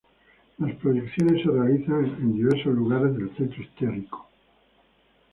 Las proyecciones se realizan en diversos lugares del centro histórico.